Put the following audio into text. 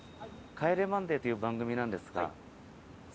『帰れマンデー』という番組なんですが。